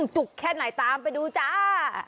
จุกแค่ไหนตามไปดูจ้า